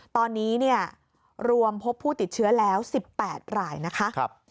ตอนนี้รวมพบผู้ติดเชื้อแล้ว๑๘รายนะคะ